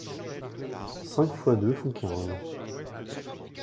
Cinq fois deux font quinze.